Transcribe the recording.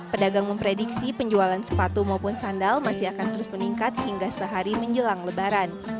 pedagang memprediksi penjualan sepatu maupun sandal masih akan terus meningkat hingga sehari menjelang lebaran